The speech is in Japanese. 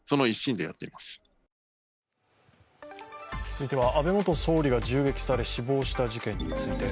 続いては安倍元総理が銃撃され死亡した事件について。